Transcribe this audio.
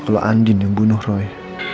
kalau andin yang bunuh roy